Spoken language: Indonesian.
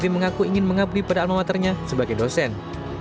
mengaku ingin mengabdi pada almaternya sebagai dosen